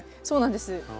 そうなんです。